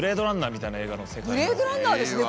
「ブレードランナー」ですね